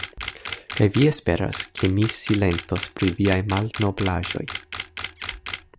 Kaj vi esperas, ke mi silentos pri viaj malnoblaĵoj!